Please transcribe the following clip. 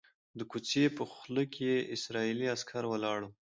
د کوڅې په خوله کې اسرائیلي عسکر ولاړ وو.